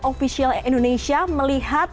ofisial indonesia melihat